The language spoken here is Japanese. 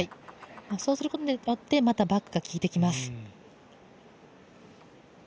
そうすることによってまたバックが効いてきます。